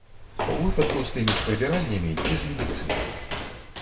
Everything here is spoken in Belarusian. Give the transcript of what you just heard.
У выпадку з тымі ж прыбіральнямі ці з медыцынай.